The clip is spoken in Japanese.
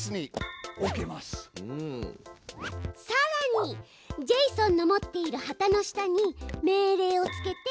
さらにジェイソンの持っている旗の下に命令をつけて。